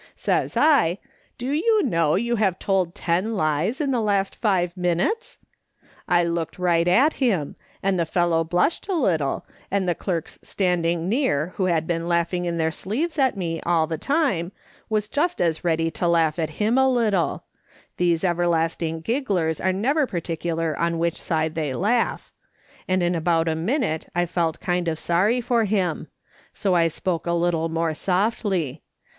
Says I :' Do you know you have told ten lies in the last five minutes ?' I looked right at him, and the fellow blushed a little, and the clerks standing near who had been laughing in their sleeves at me all the time, was just as ready to laugh at him a little — these everlasting gigglers are never particular on which side they laugh — and in about a minute I felt kind of sorry for him ; so I spoke a little more softly.